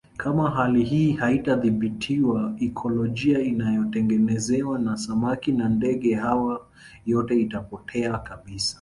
Kama hali hii haitadhibitiwa ikolojia inayotengenezwa na samaki na ndege hawa yote itapotea kabisa